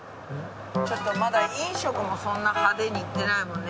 ちょっとまだ飲食もそんな派手にいってないもんね